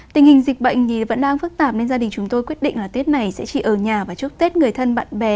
tình hình dịch bệnh vẫn đang phức tạp nên gia đình chúng tôi quyết định là tết này sẽ chỉ ở nhà và chúc tết người thân bạn bè